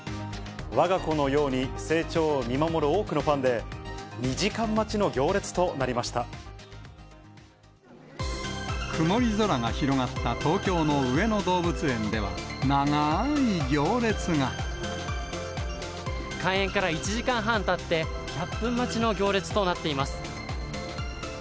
わが子のように成長を見守る多くのファンで、２時間待ちの行列と曇り空が広がった東京の上野開園から１時間半たって、１００分待ちの行列となっています。